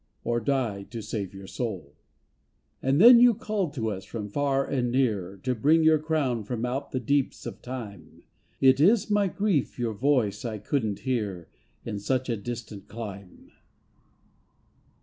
Or die to save your soul. 243 ^44 IRELAND And then you called to us from far and near To bring your crown from out the deeps of time, It is my grief your voice I couldn't hear In such a distant clime.